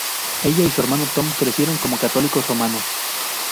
Ella y su hermano Tom crecieron como católicos romanos.